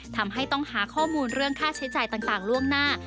ทำให้ต้องหาข้อมูลเรื่องค่าใช้จ่ายต่างล่วงหน้า